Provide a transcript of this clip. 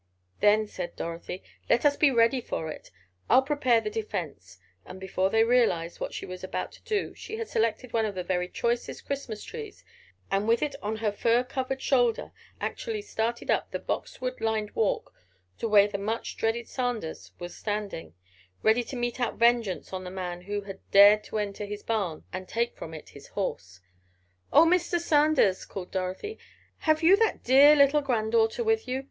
"Then," said Dorothy, "let us be ready for it. I'll prepare the defence," and before they realized what she was about to do she had selected one of the very choicest Christmas trees, and with it on her fur covered shoulder, actually started up the box wood lined walk to where the much dreaded Sanders was standing, ready to mete out vengeance on the man who had dared to enter his barn, and take from it his horse. "Oh Mr. Sanders!" called Dorothy. "Have you that dear little grand daughter with you?